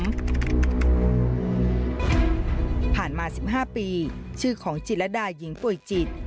ผ่านมา๑๕ปีชื่อของจิรดาหญิงป่วยจิต